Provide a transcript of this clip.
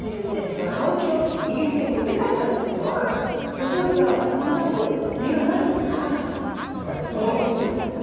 ところがそのあと実がなることがなかったイギリスでは。